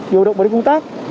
điều động bởi công tác